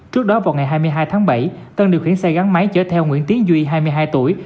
trước đó vào ngày hai mươi hai tháng bảy tân điều khiển xe gắn máy chở theo nguyễn tiến duy hai mươi hai tuổi